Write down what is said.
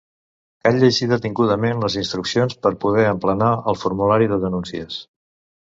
Cal llegir detingudament les instruccions per poder emplenar el formulari de denúncies.